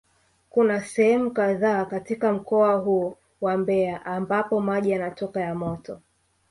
Kuna sehemu kadhaa katika mkoa huo wa Mbeya ambapo maji yanatoka ya moto